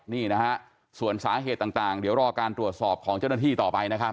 นี่นะฮะส่วนสาเหตุต่างเดี๋ยวรอการตรวจสอบของเจ้าหน้าที่ต่อไปนะครับ